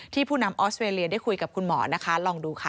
ผู้นำออสเตรเลียได้คุยกับคุณหมอนะคะลองดูค่ะ